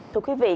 thưa quý vị